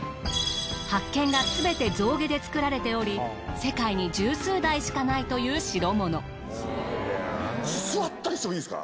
白鍵がすべて象牙で作られており世界に十数台しかないという代物。